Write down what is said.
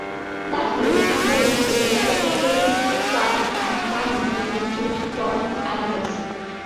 That year, it merged with the Manufacturing, Science and Finance union to form Amicus.